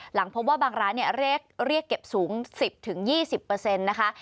หลังพบว่าบางร้านเรียกเก็บสูง๑๐๒๐นะคะ